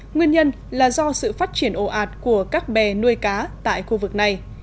nguyên nhân là do sự phát triển ồ ạt của các bè nuôi cá tại khu vực này